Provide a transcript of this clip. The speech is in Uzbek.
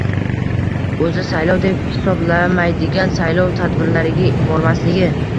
o‘zi saylov deb hisoblamaydigan “saylov” tadbirlariga bormasligi